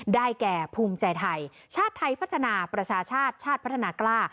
แก่ภูมิใจไทยชาติไทยพัฒนาประชาชาติชาติพัฒนากล้า